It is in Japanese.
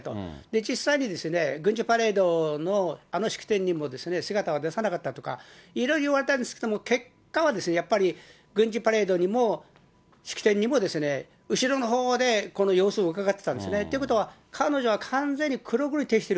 実際に、軍事パレードのあの式典にも姿は出さなかったとか、いろいろ言われたんですけれども、結果はやっぱり、軍事パレードにも式典にも、後ろのほうで様子をうかがっていたんですね。ということは、彼女は完全に黒子に徹している。